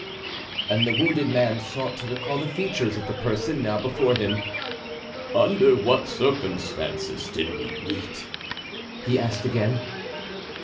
and the wounded man sought to recall the features of the person now before him. "Under what circumstances did we meet?" he asked again.